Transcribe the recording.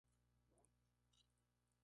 Tiene afición por los caballos.